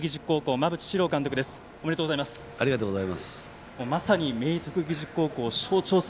ありがとうございます。